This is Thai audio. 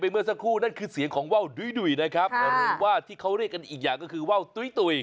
เมื่อสักครู่นั่นคือเสียงของว่าวดุ้ยนะครับหรือว่าที่เขาเรียกกันอีกอย่างก็คือว่าวตุ๋ยตุ๋ย